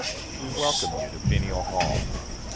We welcome you to Faneuil Hall.